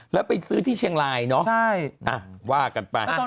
แล้วไปซื้อที่เชียงรายเนอะว่ากันไป